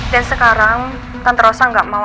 dan sekarang tante rosa gak mau